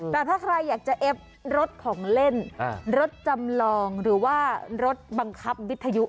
แต่ถ้าใครอยากจะเอฟรถของเล่นรถจำลองหรือว่ารถบังคับวิทยุ